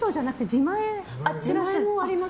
自前もあります。